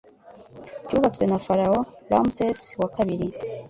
cyubatswe na Pharaoh Ramses wa kabiri